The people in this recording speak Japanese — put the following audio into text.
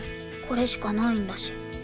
これしかないんだし。